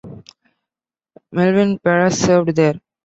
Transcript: Melvyn Perez served there.